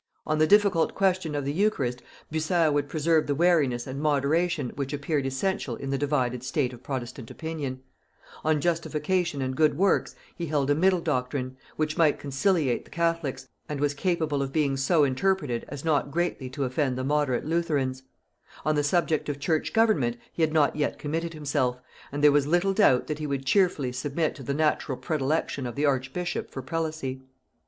On the difficult question of the eucharist Bucer would preserve the wariness and moderation which appeared essential in the divided state of protestant opinion: on justification and good works he held a middle doctrine, which might conciliate the catholics, and was capable of being so interpreted as not greatly to offend the moderate Lutherans: on the subject of church government he had not yet committed himself, and there was little doubt that he would cheerfully submit to the natural predilection of the archbishop for prelacy.